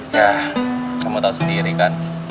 ya kamu tahu sendiri kan